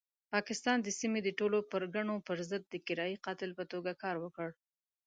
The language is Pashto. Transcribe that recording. پاکستان د سیمې د ټولو پرګنو پرضد د کرایي قاتل په توګه کار وکړ.